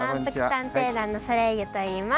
探偵団のソレイユといいます。